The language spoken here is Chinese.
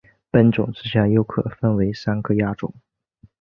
本种之下又可分为三个亚种。